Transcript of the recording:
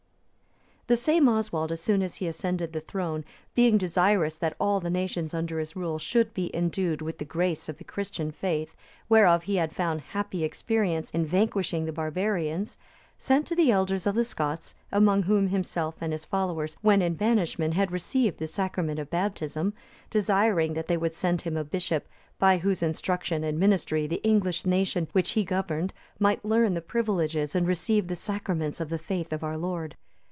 ] The same Oswald, as soon as he ascended the throne, being desirous that all the nation under his rule should be endued with the grace of the Christian faith, whereof he had found happy experience in vanquishing the barbarians, sent to the elders of the Scots,(293) among whom himself and his followers, when in banishment, had received the sacrament of Baptism, desiring that they would send him a bishop, by whose instruction and ministry the English nation, which he governed, might learn the privileges and receive the Sacraments of the faith of our Lord.